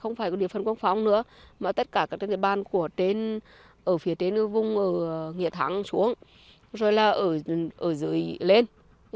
không phải có địa phân quốc phòng nữa mà tất cả các địa bàn ở phía tên vùng ở nghĩa thắng xuống rồi là ở dưới lên